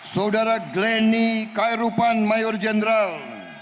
saudara glennie kairupan mayor general